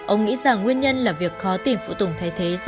ông nghĩ rằng nguyên nhân là việc khó tìm phụ tùng thay thế